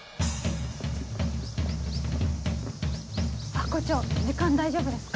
ハコ長時間大丈夫ですか？